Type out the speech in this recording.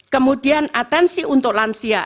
kemudian atensi untuk lansia